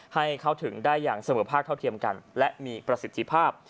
ให้เข้าถึงได้อย่างเสมอภาคเท่าเทียมกันและมีประสิทธิภาพ